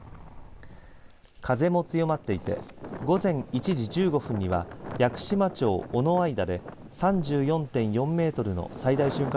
風も強まっていて午前１時１５分には屋久島町尾之間で３４．４メートルの最大瞬間